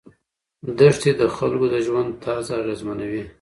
دښتې د خلکو د ژوند طرز اغېزمنوي.